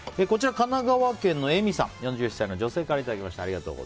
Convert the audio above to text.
神奈川県の４０歳の女性からいただきました。